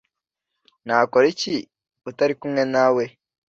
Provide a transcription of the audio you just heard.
nakora iki utari kumwe nawe